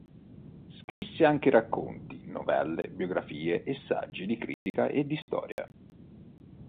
Scrisse anche racconti, novelle, biografie e saggi di critica e di storia.